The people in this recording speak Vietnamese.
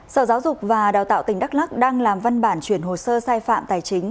sở giáo dục và đào tạo tỉnh đắk lắc đang làm văn bản chuyển hồ sơ sai phạm tài chính